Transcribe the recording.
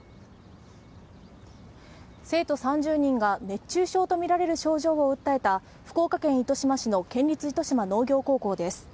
生徒３０人が熱中症とみられる症状がみられた福岡県糸島市の県立糸島農業高校です。